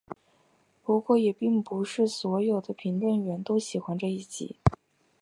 不过也并不是所有的评论员都喜欢这一集。